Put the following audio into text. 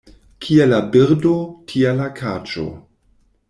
Kia la birdo, tia la kaĝo.